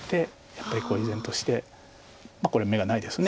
やっぱり依然としてこれ眼がないです。